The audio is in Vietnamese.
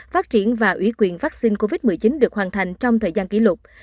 phát triển và ủy quyền vaccine covid một mươi chín được hoàn thành trong thời gian kỷ lục